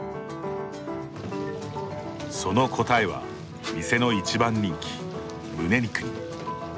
その答えは店の一番人気むね肉に。